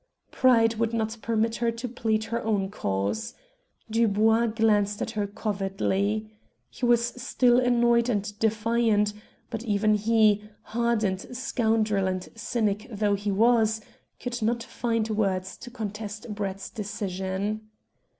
Pride would not permit her to plead her own cause. Dubois glanced at her covertly. He was still annoyed and defiant; but even he, hardened scoundrel and cynic though he was, could not find words to contest Brett's decision.